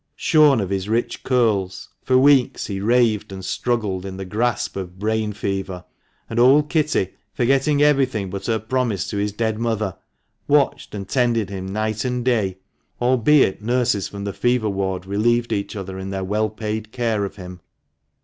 Shorn of his rich curls, for weeks he raved and struggled in the grasp of brain fever ; and old Kitty, forgetting everything but her promise to his dead mother, watched and tended him night and day, albeit nurses from the Fever Ward relieved each other in their well paid care of him.